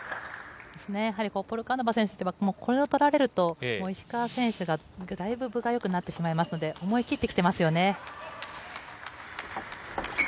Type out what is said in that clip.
ポルカノバ選手にこれをとられると石川選手がだいぶ分が良くなってしまいますので思い切って来ていますよね。